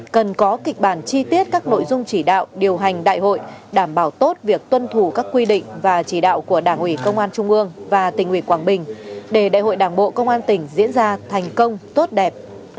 cần có kịch bản chi tiết các nội dung chỉ đạo điều hành đại hội đảm bảo tốt việc tuân thủ các quy định và chỉ đạo của đảng ủy công an trung ương và tỉnh ủy quảng bình để đại hội đảng bộ công an tỉnh diễn ra thành công tốt đẹp